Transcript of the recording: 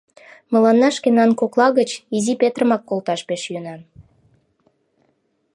Мыланна шкенан кокла гыч Изи Петрымак колташ пеш йӧнан.